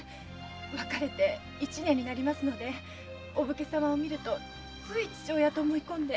別れて一年になりますのでお武家様を見るとつい父親と思い込んで。